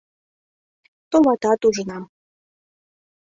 Товатат, ужынам...